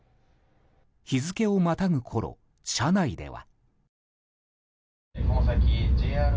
日付をまたぐころ、車内では。